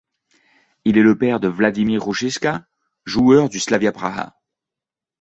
Il est le père de Vladimír Růžička, joueur du Slavia Praha.